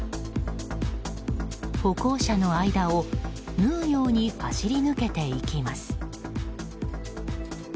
歩行者の間を縫うように走り抜けていきます。